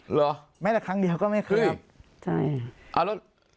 เหรอไม่แต่ครั้งเดียวก็ไม่เคยครับใช่